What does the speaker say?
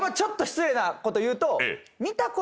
失礼なこと言うと。